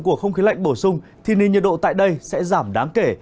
của không khí lạnh bổ sung thì nền nhiệt độ tại đây sẽ giảm đáng kể